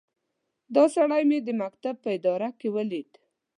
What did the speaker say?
دا سړی مې د مکتب په اداره کې وليد.